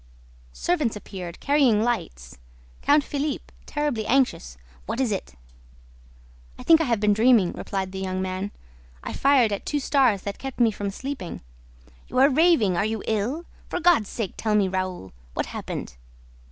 Servants appeared, carrying lights; Count Philippe, terribly anxious: "What is it?" "I think I have been dreaming," replied the young man. "I fired at two stars that kept me from sleeping." "You're raving! Are you ill? For God's sake, tell me, Raoul: what happened?"